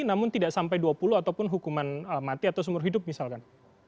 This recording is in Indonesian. namun tidak sampai dua puluh ataupun hukuman mati atau seumur hidup misalkan